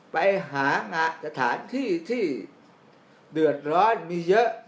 ไปหาสถานที่ที่เดือดร้อนมีเยอะ